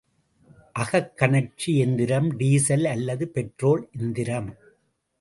அகக்கனற்சி எந்திரம் டீசல் அல்லது பெட்ரோல் எந்திரம்.